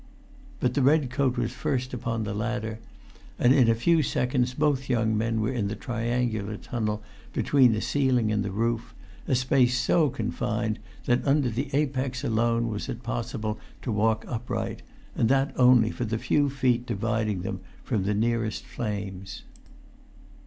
But the red coat was first upon the ladder, and in a few seconds both young men were in the triangular tunnel between the ceiling and the roof; a space so confined that under the apex alone was it possible to walk upright; and that only for the few feet dividing them from the nearest flames.